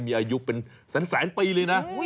มีอายุเป็นแสนปีเลยนะ